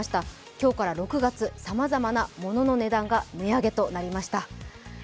今日から６月、さまざまなものの値段が値上げとなりました。